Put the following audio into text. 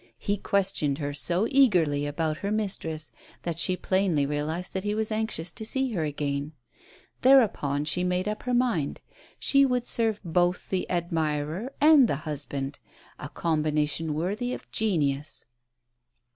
He questioned her so eagerly about her mistress that she plainly realized that he was anxious to see her again, fi'hereupon she made up her mind : she would serve both the admirer and the husband — a combination worthy of a genius.